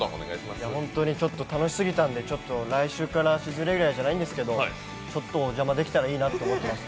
ちょっと本当に楽しすぎたので来週からシーズンレギュラーでもないんですがちょっとお邪魔できたらいいなと思っています